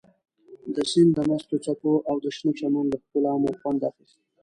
د سیند د مستو څپو او د شنه چمن له ښکلا مو خوند اخیست.